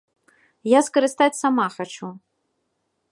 Я скарыстаць сама хачу.